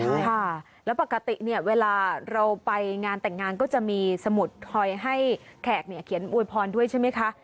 ใช่ค่ะแล้วปกติเนี่ยเวลาเราไปงานแต่งงานก็จะมีสมุดคอยให้แขกเนี่ยเขียนอวยพรด้วยใช่ไหมคะ